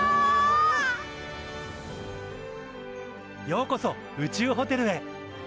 ようこそ宇宙ホテルへ。